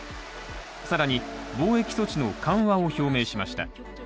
更に、防疫措置の緩和を表明しました。